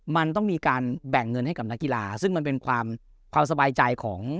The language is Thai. มันต้องมีการแบ่งเงินให้กับนักกีฬาซึ่งมันเป็นความความสบายใจของ